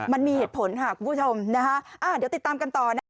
มันมีเหตุผลครับคุณผู้ชมเดี๋ยวติดตามกันต่อ